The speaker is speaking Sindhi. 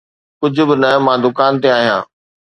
ڪجھ به نه، مان دڪان تي آهيان.